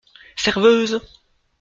Serveuse !